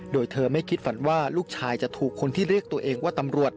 โดยเธอไม่คิดฝันว่าลูกชายจะถูกคนที่เรียกตัวเองว่าตำรวจ